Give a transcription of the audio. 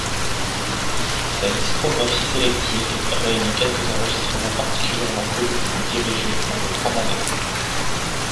Cette discographie sélective réunit quelques enregistrements particulièrement connus ou dirigés par de grands mahlériens.